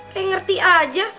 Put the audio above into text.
kayak ngerti aja